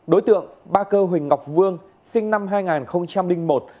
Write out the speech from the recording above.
đối tượng ba cơ huỳnh ngọc vương sinh năm hai nghìn một